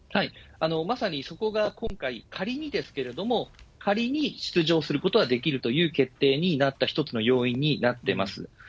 まさにそこが今回、仮にですけれども、仮に出場することはできるという決定になった一つの要因になっています。